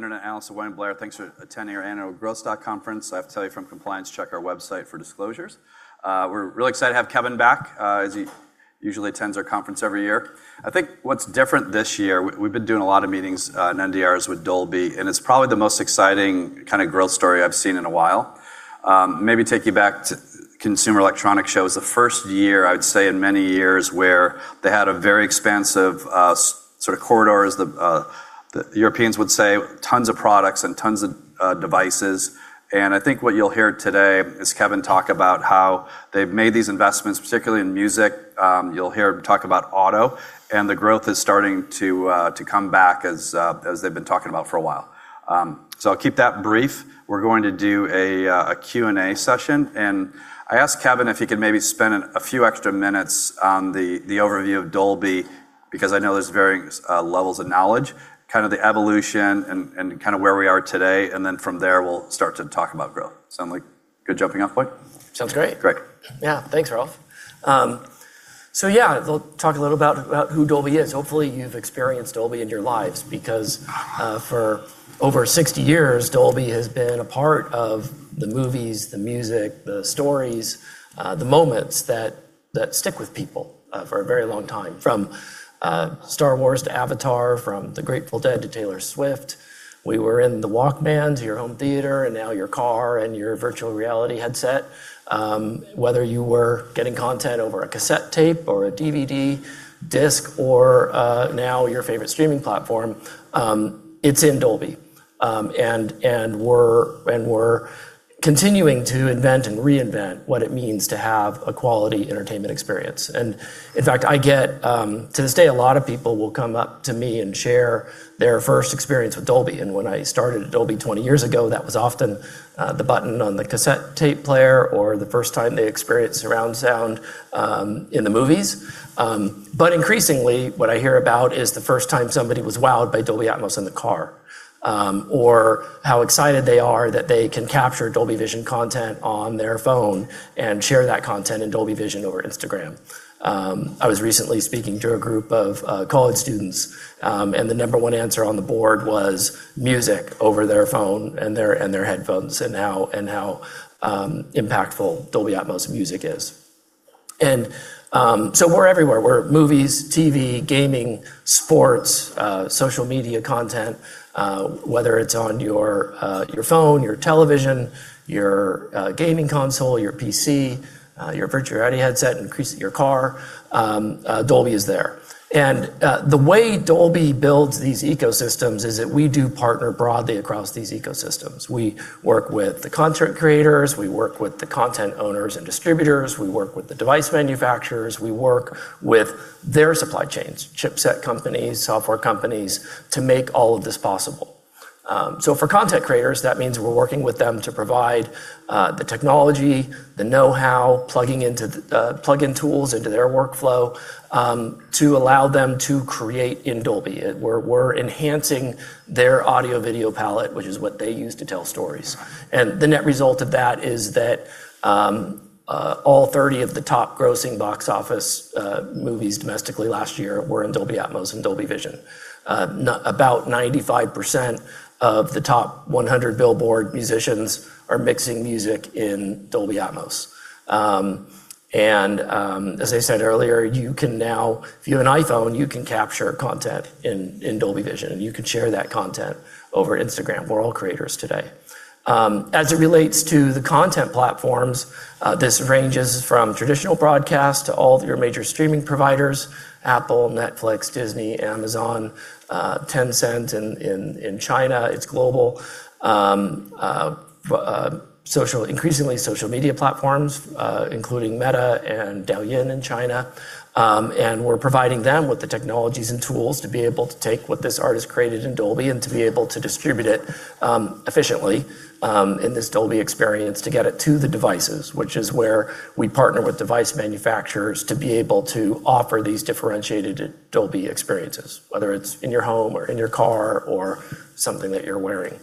Our internet analyst at William Blair. Thanks for attending our annual Growth Stock Conference. I have to tell you from compliance, check our website for disclosures. We're really excited to have Kevin back, as he usually attends our conference every year. I think what's different this year is we've been doing a lot of meetings and NDRs with Dolby, and it's probably the most exciting kind of growth story I've seen in a while. Maybe take you back to the Consumer Electronics Show. It's the first year, I'd say, in many years where they had a very expansive sort of corridor, the Europeans would say, tons of products, and tons of devices. I think what you'll hear today is Kevin talk about how they've made these investments, particularly in music. You'll hear him talk about auto, and the growth is starting to come back, as they've been talking about for a while. I'll keep that brief. We're going to do a Q&A session, and I asked Kevin if he could maybe spend a few extra minutes on the overview of Dolby, because I know there's varying levels of knowledge, kind of the evolution and kind of where we are today, and then from there, we'll start to talk about growth. Sounds like a good jumping-off point? Sounds great. Great. Yeah. Thanks, Ralph. Yeah, I'll talk a little about who Dolby is. Hopefully, you've experienced Dolby in your lives because, for over 60 years, Dolby has been a part of the movies, the music, the stories, and the moments that stick with people for a very long time, from "Star Wars" to "Avatar," from the Grateful Dead to Taylor Swift. We were in the Walkman to your home theater, and now your car and your virtual reality headset. Whether you were getting content over a cassette tape or a DVD disc or now your favorite streaming platform, it's in Dolby. We're continuing to invent and reinvent what it means to have a quality entertainment experience. In fact, I get, to this day, a lot of people who will come up to me and share their first experience with Dolby. When I started at Dolby 20 years ago, that was often the button on the cassette tape player or the first time they experienced surround sound in the movies. Increasingly, what I hear about is the first time somebody was wowed by Dolby Atmos in the car. How excited they are that they can capture Dolby Vision content on their phone and share that content in Dolby Vision over Instagram. I was recently speaking to a group of college students, and the number one answer on the board was music over their phone and their headphones and how impactful Dolby Atmos music is. We're everywhere. We're movies, TV, gaming, sports, and social media content, whether it's on your phone, your television, your gaming console, your PC, your virtual reality headset, or increasingly your car. Dolby is there. The way Dolby builds these ecosystems is that we do partner broadly across these ecosystems. We work with the content creators. We work with the content owners and distributors. We work with the device manufacturers. We work with their supply chains, chipset companies, and software companies to make all of this possible. For content creators, that means we're working with them to provide the technology, the know-how, and plugin tools into their workflow to allow them to create in Dolby. We're enhancing their audio/video palette, which is what they use to tell stories. The net result of that is that all 30 of the top-grossing box office movies domestically last year were in Dolby Atmos and Dolby Vision. About 95% of the top 100 Billboard musicians are mixing music in Dolby Atmos. As I said earlier, you can now; if you have an iPhone, you can capture content in Dolby Vision, and you can share that content over Instagram. We're all creators today. As it relates to the content platforms, this ranges from traditional broadcast to all of your major streaming providers: Apple, Netflix, Disney, Amazon, and Tencent in China. It's global. Increasingly social media platforms, including Meta and Douyin in China, and we're providing them with the technologies and tools to be able to take what this artist created in Dolby and to be able to distribute it efficiently in this Dolby experience to get it to the devices, which is where we partner with device manufacturers to be able to offer these differentiated Dolby experiences, whether it's in your home or in your car or something that you're wearing.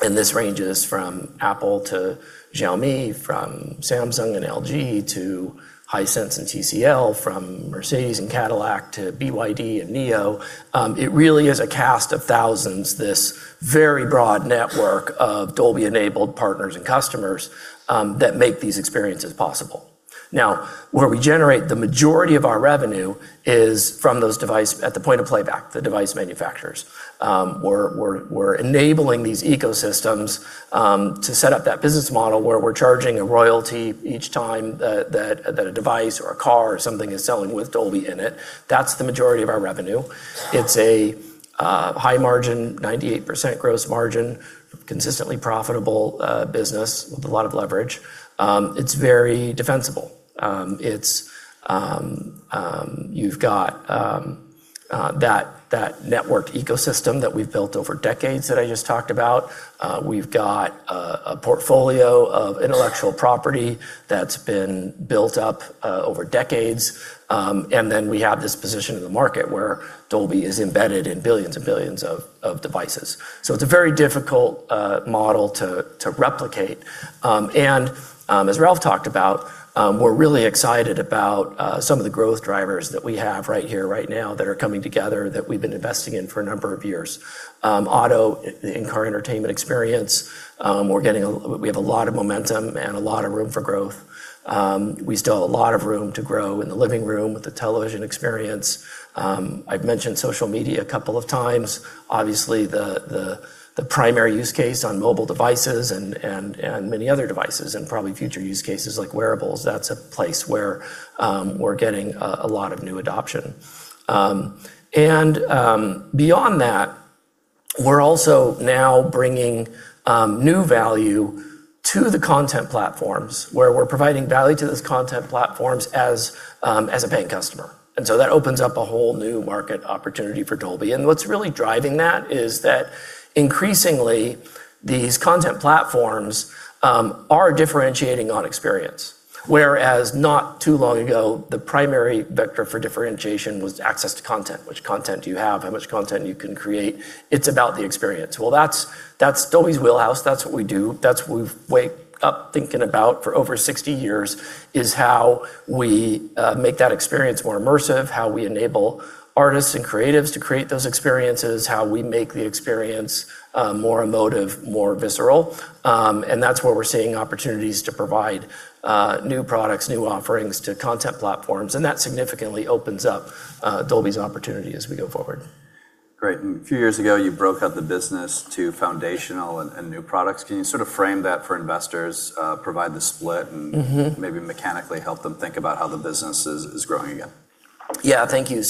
This ranges from Apple to Xiaomi, from Samsung and LG to Hisense and TCL, from Mercedes and Cadillac to BYD and NIO. It really is a cast of thousands, this very broad network of Dolby-enabled partners and customers that make these experiences possible. Where we generate the majority of our revenue is from those devices at the point of playback, the device manufacturers. We're enabling these ecosystems to set up that business model where we're charging a royalty each time that a device or a car or something is selling with Dolby in it. That's the majority of our revenue. It's a high-margin, 98% gross margin, consistently profitable business with a lot of leverage. It's very defensible. That network ecosystem that we've built over decades that I just talked about. We've got a portfolio of intellectual property that's been built up over decades, and then we have this position in the market where Dolby is embedded in billions and billions of devices. It's a very difficult model to replicate. As Ralph talked about, we're really excited about some of the growth drivers that we have right here, right now that are coming together that we've been investing in for a number of years. Auto, in car entertainment experience, we have a lot of momentum and a lot of room for growth. We still have a lot of room to grow in the living room with the television experience. I've mentioned social media a couple of times. Obviously, the primary use case is on mobile devices and many other devices, and probably future use cases like wearables are places where we're getting a lot of new adoption. Beyond that, we're also now bringing new value to the content platforms where we're providing value to those content platforms as a paying customer. That opens up a whole new market opportunity for Dolby. What's really driving that is that increasingly these content platforms are differentiating on experience. Whereas not too long ago, the primary vector for differentiation was access to content: which content you have and how much content you can create. It's about the experience. Well, that's Dolby's wheelhouse. That's what we do. That's what we've woken up thinking about for over 60 years: how we make that experience more immersive, how we enable artists and creatives to create those experiences, and how we make the experience more emotive and more visceral. That's where we're seeing opportunities to provide new products and new offerings to content platforms, and that significantly opens up Dolby's opportunity as we go forward. Great. A few years ago, you broke out the business into foundational and new products. Can you sort of frame that for investors, provide the split, and maybe mechanically help them think about how the business is growing again? Yeah, thank you.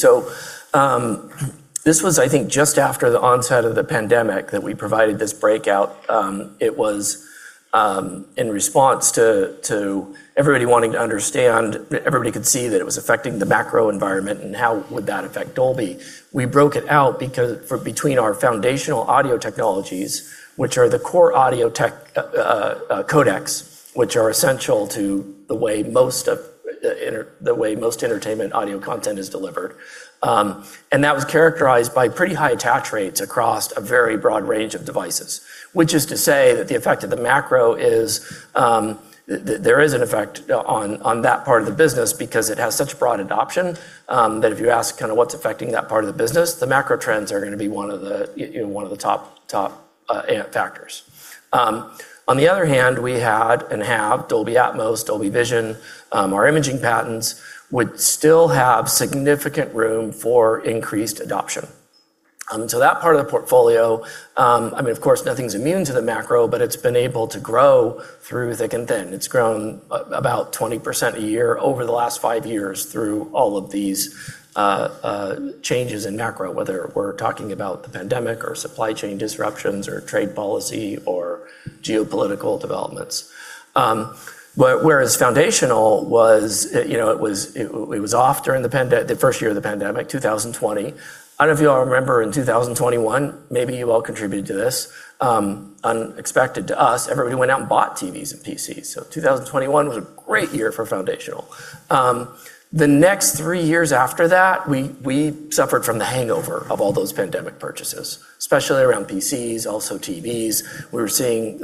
This was, I think, just after the onset of the pandemic that we provided this breakout. It was in response to everybody wanting to understand; everybody could see that it was affecting the macro environment, and how would that affect Dolby? We broke it out between our foundational audio technologies, which are the core audio tech codecs, which are essential to the way most entertainment audio content is delivered. That was characterized by pretty high attach rates across a very broad range of devices. Which is to say that the effect of the macro is that there is an effect on that part of the business because it has such broad adoption that if you ask kind of what's affecting that part of the business, the macro trends are going to be one of the top factors. On the other hand, we had and have Dolby Atmos and Dolby Vision; our imaging patents would still have significant room for increased adoption. That part of the portfolio, of course, nothing's immune to the macro, but it's been able to grow through thick and thin. It's grown about 20% a year over the last five years through all of these changes in macro, whether we're talking about the pandemic or supply chain disruptions or trade policy or geopolitical developments. Whereas foundational was off during the first year of the pandemic, 2020. I don't know if you all remember in 2021, maybe you all contributed to this, unexpectedly to us, everybody went out and bought TVs and PCs. 2021 was a great year for foundations. The next three years after that, we suffered from the hangover of all those pandemic purchases, especially around PCs and also TVs. We were seeing,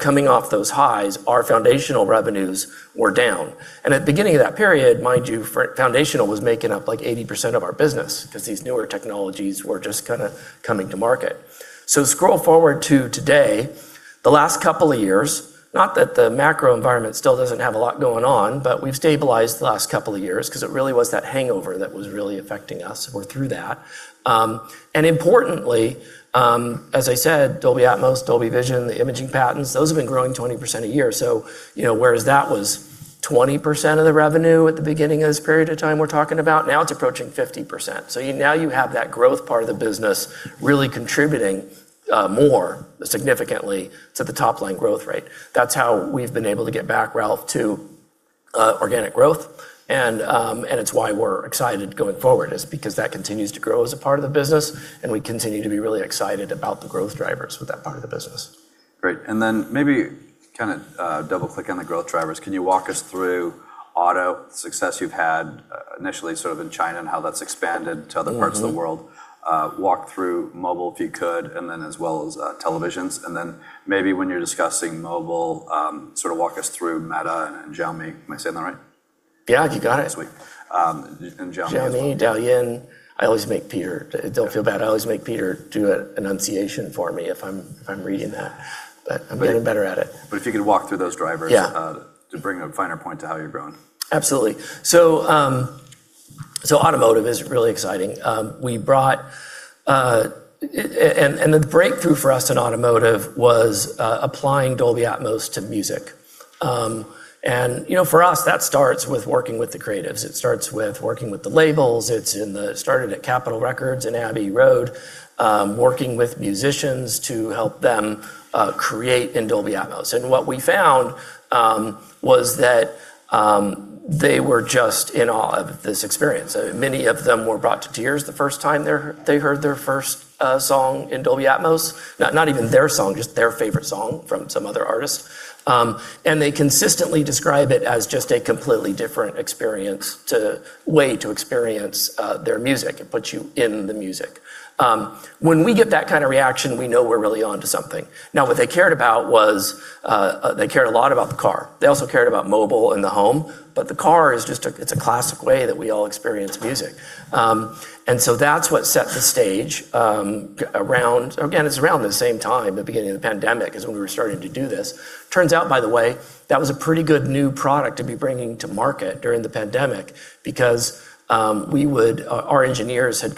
coming off those highs, our foundational revenues were down. At the beginning of that period, mind you, foundational was making up like 80% of our business because these newer technologies were just kind of coming to the market. Scroll forward to today, the last couple of years, not that the macro environment still doesn't have a lot going on, but we've stabilized the last couple of years because it really was that hangover that was really affecting us. We're through that. Importantly, as I said, Dolby Atmos, Dolby Vision, and the imaging patents have been growing 20% a year. Whereas that was 20% of the revenue at the beginning of this period of time we're talking about, now it's approaching 50%. Now you have that growth part of the business really contributing more significantly to the top line growth rate. That's how we've been able to get back, Ralph, to organic growth, and it's why we're excited going forward, because that continues to grow as a part of the business, and we continue to be really excited about the growth drivers with that part of the business. Great. Then maybe kind of double-click on the growth drivers. Can you walk us through the auto success you've had initially, sort of in China, and how that's expanded to other— parts of the world? Walk through mobile, if you could. Then as well as televisions. Then maybe when you're discussing mobile, sort of walk us through Meta and Xiaomi. Am I saying that right? Yeah, you got it. That's sweet. Xiaomi as well. Xiaomi, Douyin. Don't feel bad; I always make Peter do an enunciation for me if I'm reading that, but I'm getting better at it. If you could walk through those drivers. Yeah to bring a finer point to how you're growing. Absolutely. Automotive is really exciting. The breakthrough for us in automotive was applying Dolby Atmos to music. For us, that starts with working with the creatives. It starts with working with the labels. It started at Capitol Records in Abbey Road, working with musicians to help them create in Dolby Atmos. What we found was that they were just in awe of this experience. Many of them were brought to tears the first time they heard their first song in Dolby Atmos. Not even their song, just their favorite song from some other artist. They consistently describe it as just a completely different way to experience their music. It puts you in the music. When we get that kind of reaction, we know we're really onto something. What they cared about was that they cared a lot about the car. They also cared about mobile and the home, but the car is just a classic way that we all experience music. That's what set the stage around Again, it's around the same time—the beginning of the pandemic is when we were starting to do this. Turns out, by the way, that was a pretty good new product to be bringing to market during the pandemic, because our engineers had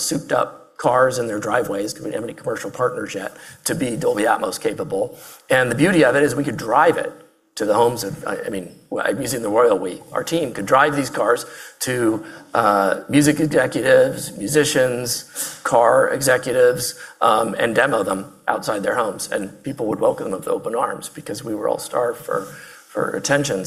souped-up cars in their driveways, didn't have any commercial partners yet, to be Dolby Atmos capable. The beauty of it is we could drive it to the homes of—I'm using the royal we—our team could drive these cars to music executives, musicians, and car executives and demo them outside their homes. People would welcome them with open arms because we were all starved for attention.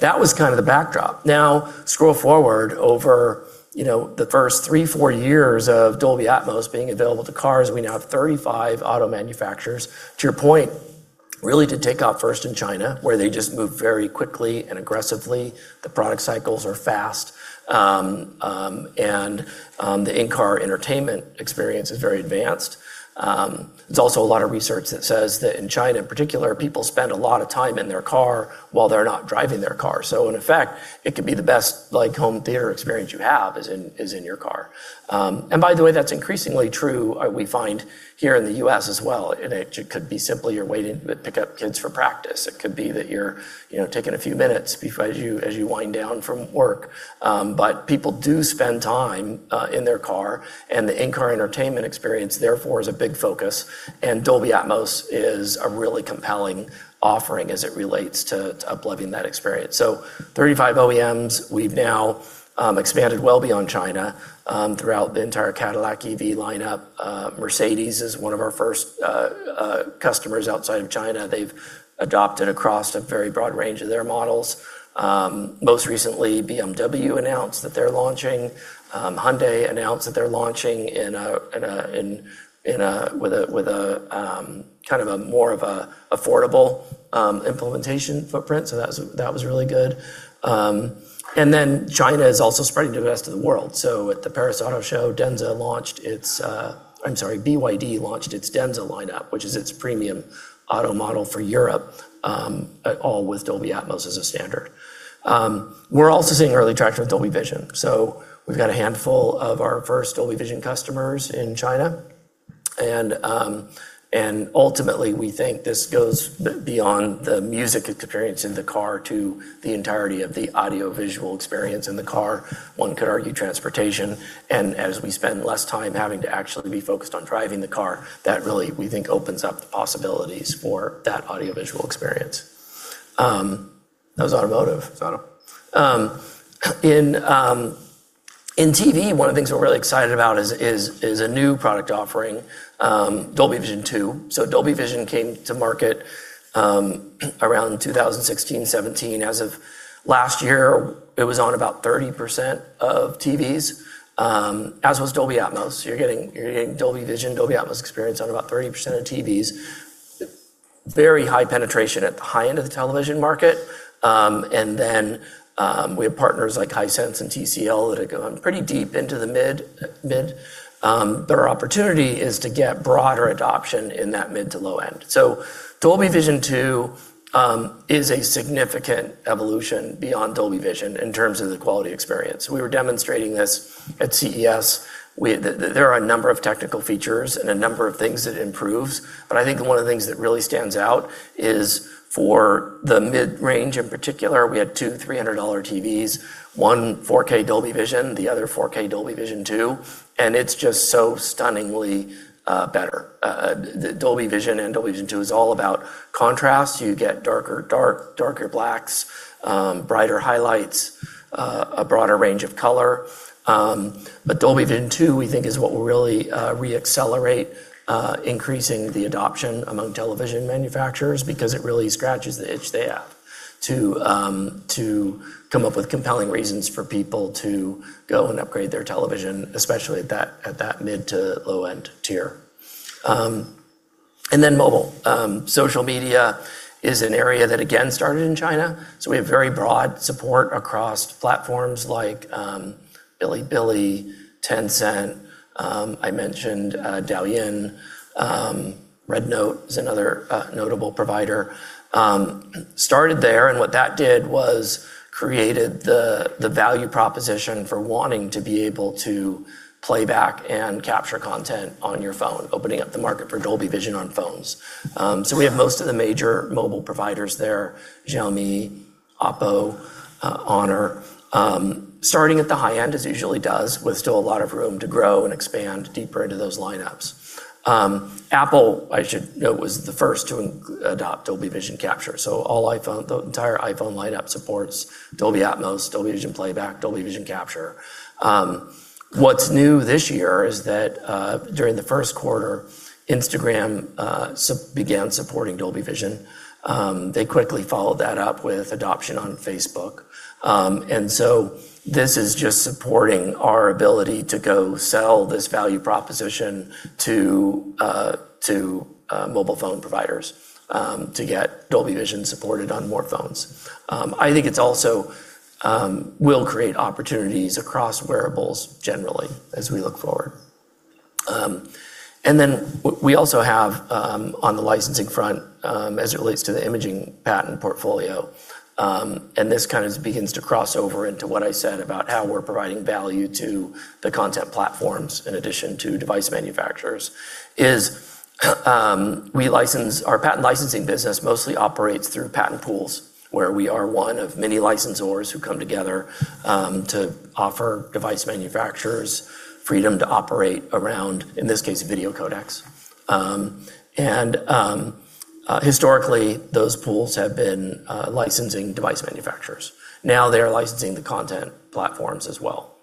That was the backdrop. Now, scroll forward over the first three or four years of Dolby Atmos being available to cars. We now have 35 auto manufacturers; to your point, they really did take off first in China, where they just moved very quickly and aggressively. The product cycles are fast, and the in-car entertainment experience is very advanced. There's also a lot of research that says that in China in particular, people spend a lot of time in their car while they're not driving their car. In effect, it could be the best home theater experience you have is in your car. By the way, that's increasingly true; we find here in the U.S. as well. It could be simply you're waiting to pick up kids for practice. It could be that you're taking a few minutes as you wind down from work. People do spend time in their car, and the in-car entertainment experience, therefore, is a big focus, and Dolby Atmos is a really compelling offering as it relates to up-leveling that experience. 35 OEMs. We've now expanded well beyond China throughout the entire Cadillac EV lineup. Mercedes-Benz is one of our first customers outside of China. They've adopted across a very broad range of their models. Most recently, BMW announced that they're launching, and Hyundai announced that they're launching with more of an affordable implementation footprint. That was really good. China is also spreading to the rest of the world. At the Paris Auto Show, BYD launched its Denza lineup, which is its premium auto model for Europe, all with Dolby Atmos as a standard. We're also seeing early traction with Dolby Vision. We've got a handful of our first Dolby Vision customers in China. Ultimately, we think this goes beyond the music experience in the car to the entirety of the audiovisual experience in the car. One could argue transportation. As we spend less time having to actually be focused on driving the car, that really, we think, opens up the possibilities for that audiovisual experience. That was automotive. Auto. In TV, one of the things we're really excited about is a new product offering, Dolby Vision 2. Dolby Vision came to market around 2016, 2017. As of last year, it was on about 30% of TVs, as was Dolby Atmos. You're getting Dolby Vision and Dolby Atmos experience on about 30% of TVs. Very high penetration at the high end of the television market. We have partners like Hisense and TCL that have gone pretty deep into the middle. Their opportunity is to get broader adoption in that mid- to low-end. Dolby Vision 2 is a significant evolution beyond Dolby Vision in terms of the quality experience. We were demonstrating this at CES. There are a number of technical features and a number of things it improves, but I think one of the things that really stands out is for the mid-range in particular: we had two $300 TVs, one 4K Dolby Vision and the other 4K Dolby Vision 2, and it's just so stunningly better. Dolby Vision and Dolby Vision 2 are all about contrast. You get darker dark, darker blacks, brighter highlights, and a broader range of color. Dolby Vision 2, we think, is what will really re-accelerate increasing the adoption among television manufacturers because it really scratches the itch they have to come up with compelling reasons for people to go and upgrade their televisions, especially at that mid to low-end tier. Mobile. Social media is an area that, again, started in China. We have very broad support across platforms like Bilibili and Tencent. I mentioned Douyin. Xiaohongshu is another notable provider. Started there, what that did was create the value proposition for wanting to be able to play back and capture content on your phone, opening up the market for Dolby Vision on phones. We have most of the major mobile providers there, Xiaomi, OPPO, and Honor, starting at the high end as it usually does, with still a lot of room to grow and expand deeper into those lineups. Apple, I should note, was the first to adopt Dolby Vision capture. All iPhones, the entire iPhone lineup, support Dolby Atmos, Dolby Vision playback, and Dolby Vision capture. What's new this year is that during the first quarter, Instagram began supporting Dolby Vision. They quickly followed that up with adoption on Facebook. This is just supporting our ability to go sell this value proposition to mobile phone providers to get Dolby Vision supported on more phones. I think it also will create opportunities across wearables generally as we look forward. Then we also have on the licensing front, as it relates to the imaging patent portfolio, and this kind of begins to cross over into what I said about how we're providing value to the content platforms in addition to device manufacturers is our patent licensing business mostly operates through patent pools, where we are one of many licensors who come together to offer device manufacturers freedom to operate around, in this case, video codecs. Historically, those pools have been licensing device manufacturers. Now they are licensing the content platforms as well.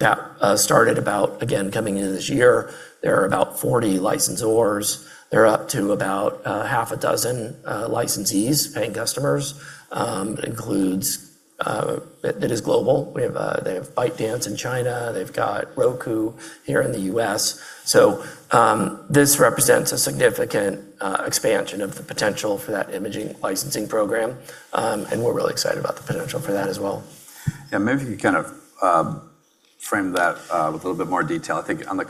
That started about—again, coming into this year, there are about 40 licensors. They're up to about half a dozen licensees, paying customers, that is, globally. They have ByteDance in China. They've got Roku here in the U.S. This represents a significant expansion of the potential for that imaging licensing program, and we're really excited about the potential for that as well. Yeah, maybe if you kind of frame that with a little bit more detail. I think on the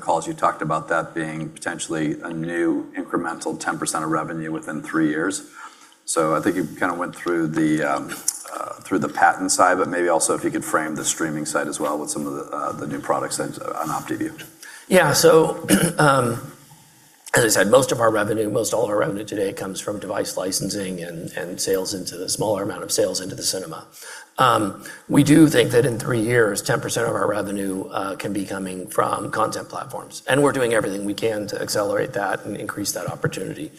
calls you talked about that being potentially a new incremental 10% of revenue within three years. I think you kind of went through the patent side, but maybe also if you could frame the streaming side as well with some of the new products and on OptiView. As I said, most of our revenue, most all of our revenue today, comes from device licensing and a smaller amount of sales into the cinema. We do think that in three years, 10% of our revenue can be coming from content platforms. We're doing everything we can to accelerate that and increase that opportunity.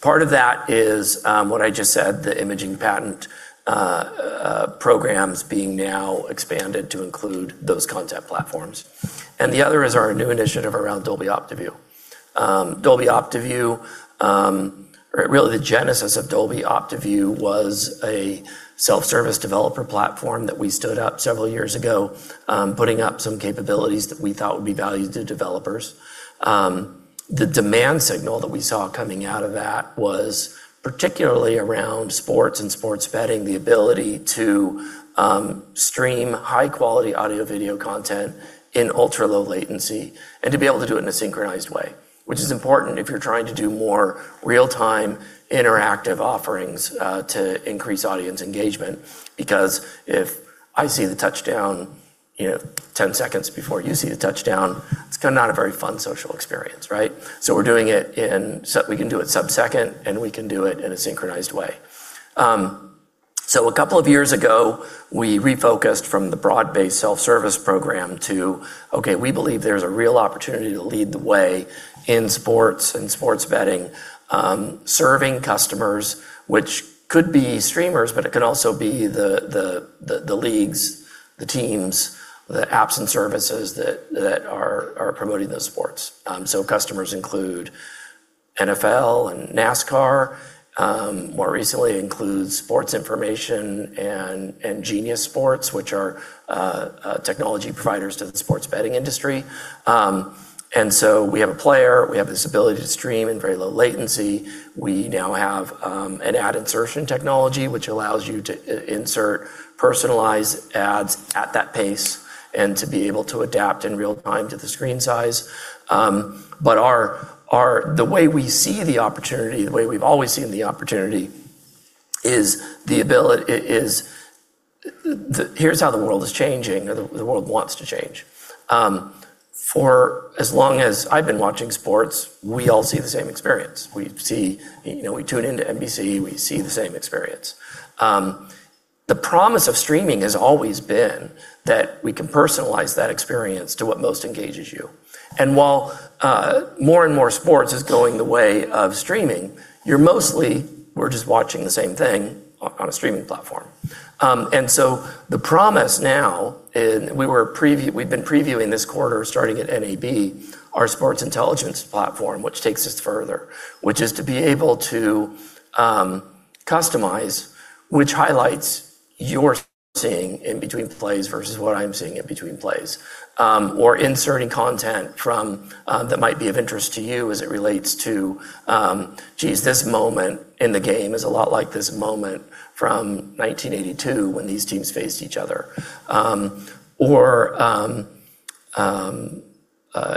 Part of that is what I just said, the imaging patent programs being now expanded to include those content platforms. The other is our new initiative around Dolby OptiView. Really, the genesis of Dolby OptiView was a self-service developer platform that we stood up several years ago, putting up some capabilities that we thought would be valued by developers. The demand signal that we saw coming out of that was particularly around sports and sports betting: the ability to stream high-quality audio/video content in ultra-low latency and to be able to do it in a synchronized way. It is important if you are trying to do more real-time interactive offerings to increase audience engagement, because if I see the touchdown 10 seconds before you see the touchdown, it is kind of not a very fun social experience, right? We can do it sub-second, and we can do it in a synchronized way. A couple of years ago, we refocused from the broad-based self-service program to, okay, we believe there is a real opportunity to lead the way in sports and sports betting, serving customers, which could be streamers, but it could also be the leagues, the teams, the apps, and the services that are promoting those sports. Customers include NFL and NASCAR. More recently it includes Sports Information and Genius Sports, which are technology providers to the sports betting industry. We have a player. We have this ability to stream in very low latency. We now have an ad insertion technology, which allows you to insert personalized ads at that pace and to be able to adapt in real time to the screen size. The way we see the opportunity, the way we've always seen the opportunity, is here's how the world is changing, or the world wants to change. For as long as I've been watching sports, we all see the same experiences. We tune into NBC, and we see the same experience. The promise of streaming has always been that we can personalize that experience to what most engages you. While more and more sports is going the way of streaming, we're just watching the same thing on a streaming platform. The promise: we've been previewing this quarter starting at NAB, our sports intelligence platform, which takes us further, which is to be able to customize which highlights you're seeing in between plays versus what I'm seeing in between plays. Inserting content that might be of interest to you as it relates to sees, this moment in the game is a lot like this moment from 1982 when these teams faced each other.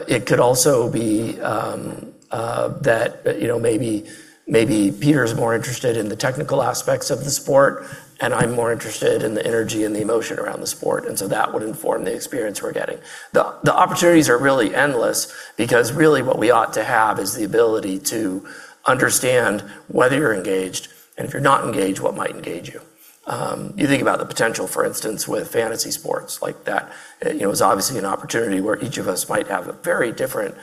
It could also be that maybe Peter's more interested in the technical aspects of the sport. I'm more interested in the energy and the emotion around the sport that would inform the experience we're getting. The opportunities are really endless because, really, what we ought to have is the ability to understand whether you're engaged and, if you're not engaged, what might engage you. You think about the potential, for instance, with fantasy sports like that; it was obviously an opportunity where each of us might have very different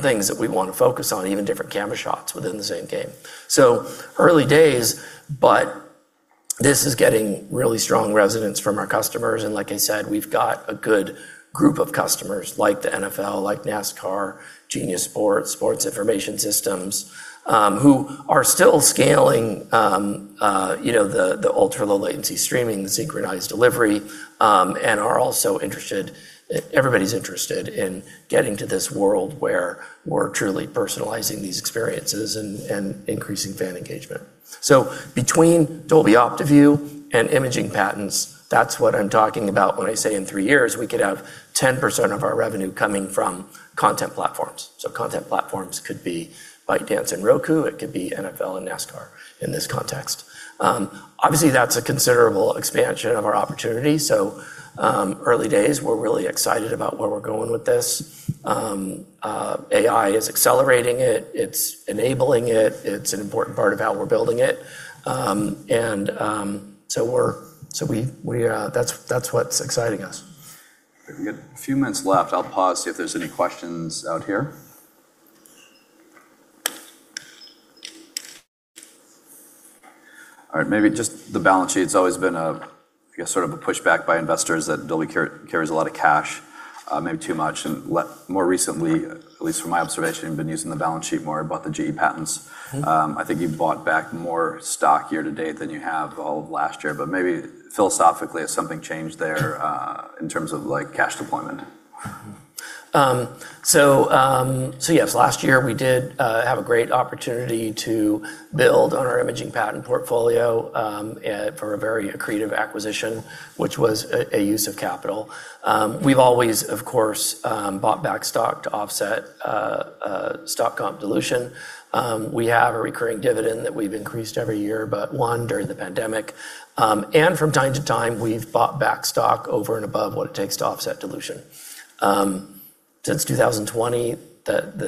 things that we want to focus on, even different camera shots within the same game. Early days, but this is getting really strong resonance from our customers. Like I said, we've got a good group of customers, like the NFL, like NASCAR, and Genius Sports Information Systems, who are still scaling the ultra-low latency streaming and synchronized delivery, and they're also interested; everybody's interested in getting to this world where we're truly personalizing these experiences and increasing fan engagement. Between Dolby OptiView and imaging patents, that's what I'm talking about when I say in three years we could have 10% of our revenue coming from content platforms. Content platforms could be ByteDance and Roku; it could be NFL and NASCAR in this context. Obviously, that's a considerable expansion of our opportunity. Early days, we're really excited about where we're going with this. AI is accelerating it. It's enabling it. It's an important part of how we're building it. That's what's exciting us. We got a few minutes left. I'll pause and see if there are any questions out here. All right. Maybe just the balance sheet. It's always been a sort of a pushback by investors that Dolby carries a lot of cash, maybe too much. More recently, at least from my observation, you've been using the balance sheet more and bought the GE patents. I think you've bought back more stock year to date than you have all of last year. Maybe philosophically, has something changed there in terms of cash deployment? Yes, last year we did have a great opportunity to build on our imaging patent portfolio from a very accretive acquisition, which was a use of capital. We've always, of course, bought back stock to offset stock comp dilution. We have a recurring dividend that we've increased every year, but one during the pandemic. From time to time, we've bought back stock over and above what it takes to offset dilution. Since 2020,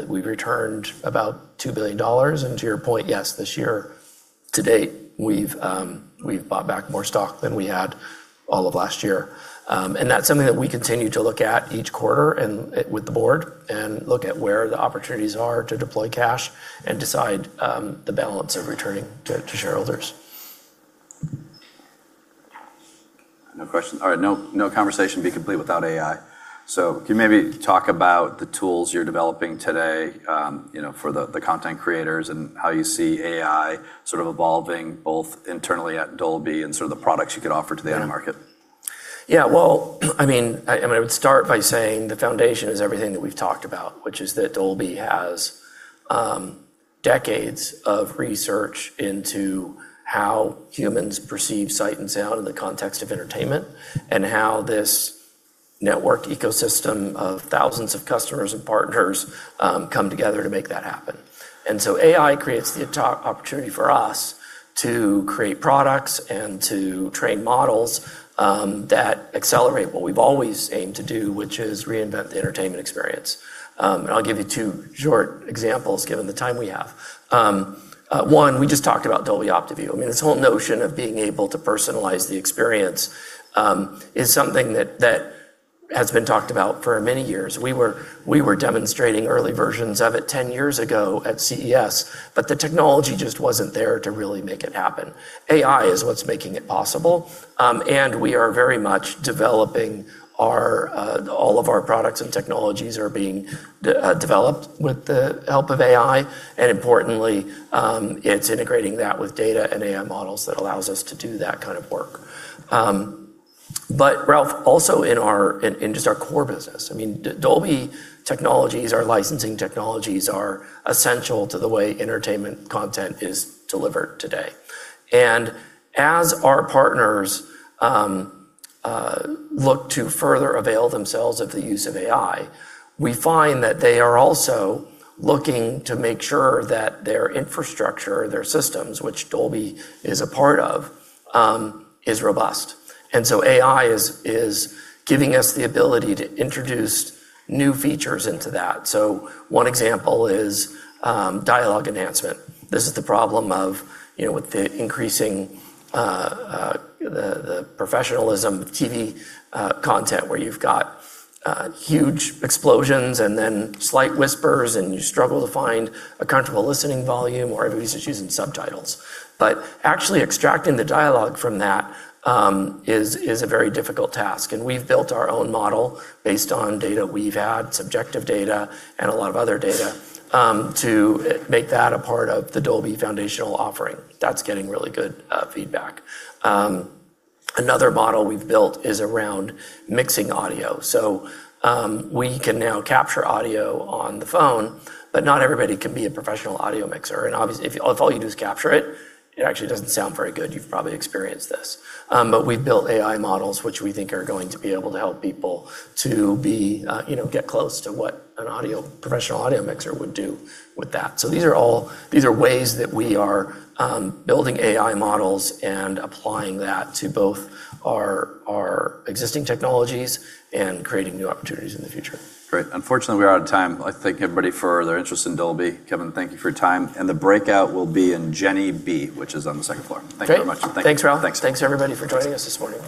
we've returned about $2 billion. To your point, yes, this year to date, we've bought back more stock than we had all of last year. That's something that we continue to look at each quarter and with the board and look at where the opportunities are to deploy cash and decide the balance of returning to shareholders. No questions. All right. No conversation would be complete without AI. Can you maybe talk about the tools you're developing today for the content creators and how you see AI sort of evolving both internally at Dolby and sort of the products you could offer to the end market? Well, I would start by saying the foundation is everything that we've talked about, which is that Dolby has decades of research into how humans perceive sight and sound in the context of entertainment and how this networked ecosystem of thousands of customers and partners comes together to make that happen. AI creates the opportunity for us to create products and to train models that accelerate what we've always aimed to do, which is reinvent the entertainment experience. I'll give you two short examples given the time we have. One, we just talked about Dolby OptiView. This whole notion of being able to personalize the experience is something that has been talked about for many years. We were demonstrating early versions of it 10 years ago at CES; the technology just wasn't there to really make it happen. AI is what's making it possible. We are very much developing all of our products, and technologies are being developed with the help of AI. Importantly, it's integrating that with data and AI models that allows us to do that kind of work. Ralph, also in just our core business, Dolby technologies, our licensing technologies are essential to the way entertainment content is delivered today. As our partners look to further avail themselves of the use of AI, we find that they are also looking to make sure that their infrastructure, their systems, which Dolby is a part of, is robust. AI is giving us the ability to introduce new features into that. One example is dialogue enhancement. This is the problem with the increasing the professionalism of TV content, where you've got huge explosions and then slight whispers, and you struggle to find a comfortable listening volume, or everybody's just using subtitles. Actually extracting the dialogue from that is a very difficult task, and we've built our own model based on data we've had, subjective data, and a lot of other data to make that a part of the Dolby foundational offering. That's getting really good feedback. Another model we've built is around mixing audio. We can now capture audio on the phone, but not everybody can be a professional audio mixer, and obviously, if all you do is capture it, it actually doesn't sound very good. You've probably experienced this. We've built AI models that we think are going to be able to help people to get close to what a professional audio mixer would do with that. These are ways that we are building AI models and applying that to both our existing technologies and creating new opportunities in the future. Great. Unfortunately, we are out of time. I thank everybody for their interest in Dolby. Kevin, thank you for your time. The breakout will be in Jenny B, which is on the second floor. Great. Thank you very much. Thanks, Ralph. Thanks. Thanks, everybody, for joining us this morning.